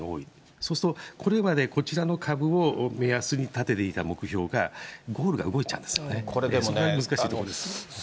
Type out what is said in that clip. そうすると、これまでこちらの株を目安に立てていた目標が、ゴールが動いちゃうんですよね、それが難しいところです。